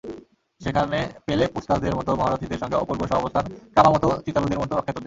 সেখানে পেলে-পুসকাসদের মতো মহারথীদের সঙ্গে অপূর্ব সহাবস্থান কামামোতো, চিতালুদের মতো অখ্যাতদের।